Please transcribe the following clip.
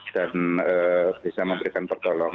dan bisa memberikan pertolongan